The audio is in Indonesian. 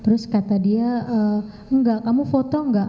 terus kata dia enggak kamu foto nggak